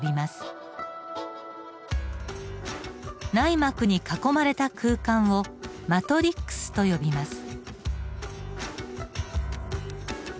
内膜に囲まれた空間をマトリックスと呼びます。